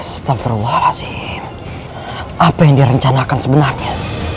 setelah rasim apa yang direncanakan sebenarnya